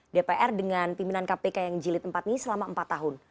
dpr dengan pimpinan kpk yang jilid empat ini selama empat tahun